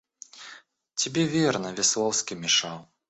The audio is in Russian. Тебе, верно, Весловский мешал.